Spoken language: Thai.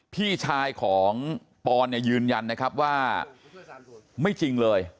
พี่ชายของปอนเนี่ยยืนยันนะครับว่าไม่จริงเลย